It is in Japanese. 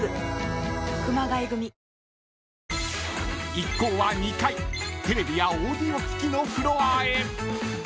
［一行は２階テレビやオーディオ機器のフロアへ］